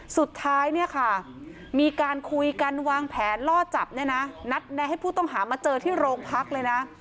สุดท้ายเนี่ยค่ะมีการคุยกันวางแผนล่อจับเนี่ยนะนัดแนะให้ผู้ต้องหามาเจอที่โรงพักเลยนะ